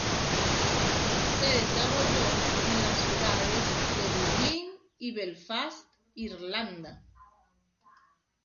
Se desarrolló en las ciudades de Dublín y Belfast, Irlanda.